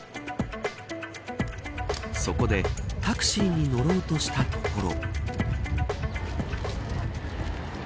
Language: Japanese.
そこでタクシーに乗ろうとしたところ。